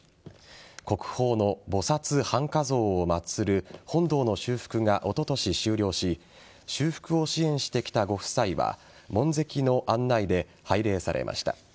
国宝の菩薩半跏像を祭る本堂の修復がおととし終了し修復を支援してきたご夫妻は門跡の案内で拝礼されました。